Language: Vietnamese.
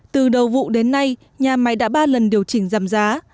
từ đầu vụ đến nay nhà máy đã ba lần điều chỉnh giảm giá